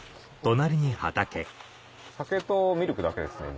酒とミルクだけですね